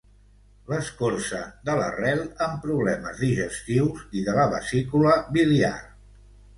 L'escorça de l'arrel en problemes digestius i de la vesícula biliar.